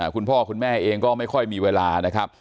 คุณพ่อคุณแม่เองก็ไม่ค่อยมีเวลานะครับ